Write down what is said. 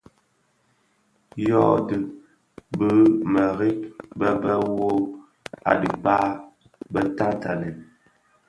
Yodhi, bi mereb be be, wuo a dhikpa, bè tatanèn,